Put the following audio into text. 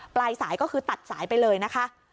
ปลายสายก็คือตัดสายไปเลยนะคะ